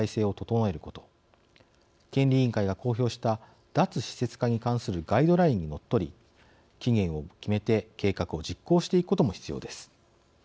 権利委員会が公表した脱施設化に関するガイドラインにのっとり期限を決めて計画を実行していくことも必要です。